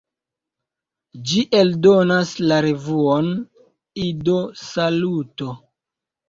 Ĝi eldonas la revuon "Ido-Saluto!